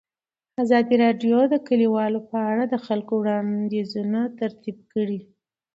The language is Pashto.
ازادي راډیو د کډوال په اړه د خلکو وړاندیزونه ترتیب کړي.